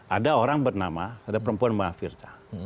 ada orang bernama ada perempuan mbak firca